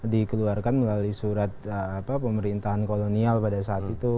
dikeluarkan melalui surat pemerintahan kolonial pada saat itu